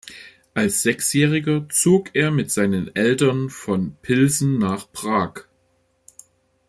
Als Sechsjähriger zog er mit seinen Eltern von Pilsen nach Prag.